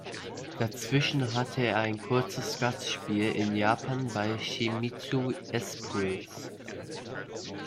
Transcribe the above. Dazwischen hatte er ein kurzes Gastspiel in Japan bei Shimizu S-Pulse.